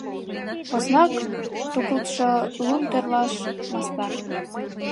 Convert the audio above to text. Поснак тугылтшо лум тӧрлаш мастар.